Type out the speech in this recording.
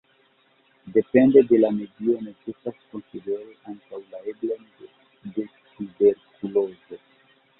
Depende de la medio necesas konsideri ankaŭ la eblon de tuberkulozo.